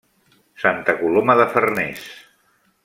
Santa Coloma de Farners.